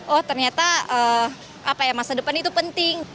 oh ternyata masa depan itu penting